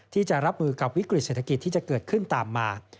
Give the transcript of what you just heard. ที่จะรับมือกับวิกฤตเศรษฐกิจที่จะเกิดขึ้นตามมา